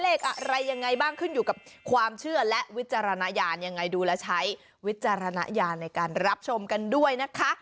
เลขอะไรยังไงบ้างขึ้นอยู่กับความเชื่อและวิจารณญาณยังไงดูแล้วใช้วิจารณญาณในการรับชมกันด้วยนะคะ